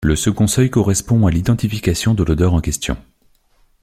Le second seuil correspond à l'identification de l'odeur en question.